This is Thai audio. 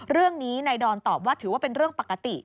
เรื่องนี้นายดอนตอบว่าถือว่าเป็นเรื่องปกติ